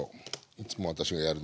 いつも私がやるのは。